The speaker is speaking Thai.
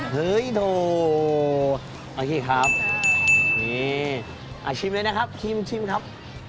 เฮ้ยโดโอเคครับนี่ชิมเลยนะครับชิมครับ